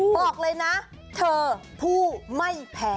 บอกเลยนะเธอผู้ไม่แพ้